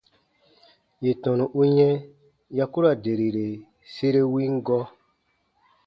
Yè tɔnu u yɛ̃ ya ku ra derire sere win gɔɔ.